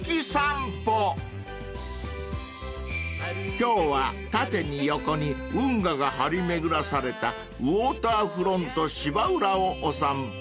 ［今日は縦に横に運河が張り巡らされたウオーターフロント芝浦をお散歩］